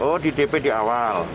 oh di dp di awal